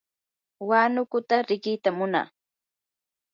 huanukuta riqitam munaa.